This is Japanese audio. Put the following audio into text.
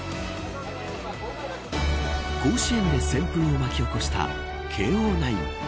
甲子園で旋風を巻き起こした慶応ナイン。